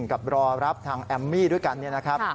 กับรอรับทางแอมมี่ด้วยกันเนี่ยนะครับ